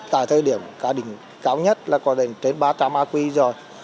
tại thời điểm cao nhất là có đến trên ba trăm linh aq rồi